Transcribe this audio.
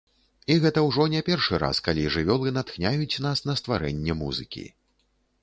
І гэта ўжо не першы раз, калі жывёлы натхняюць нас на стварэнне музыкі.